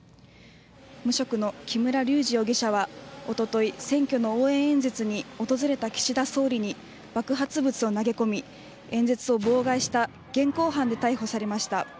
無職の木村隆二容疑者は、おととい、選挙の応援演説に訪れた岸田総理に爆発物を投げ込み、演説を妨害した現行犯で逮捕されました。